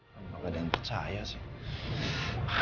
kamu gak ada yang percaya sih